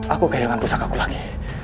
aku kehilangan pusakaku lagi